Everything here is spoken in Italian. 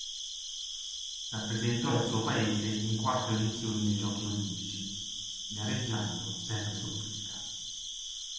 Rappresentò il suo paese in quattro edizioni dei Giochi olimpici, gareggiando sempre su pista.